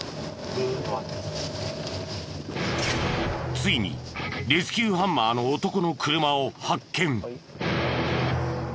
ついにレスキューハンマーの男の車を発見。